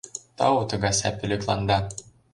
Тау тыгай сай пӧлекланда.